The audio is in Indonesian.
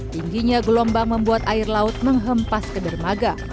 tingginya gelombang membuat air laut menghempas ke dermaga